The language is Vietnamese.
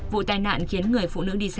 vụ tai nạn khiến người phụ nữ đi xe